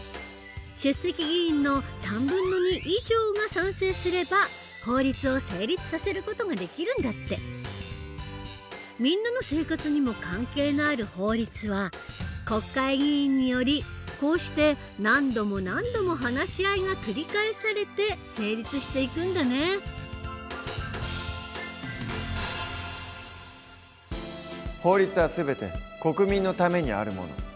出席議員の３分の２以上が賛成すれば法律を成立させる事ができるんだって。みんなの生活にも関係のある法律は国会議員によりこうして何度も何度も法律は全て国民のためにあるもの。